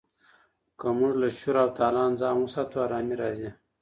که موږ له چور او تالان ځان وساتو ارامي راځي.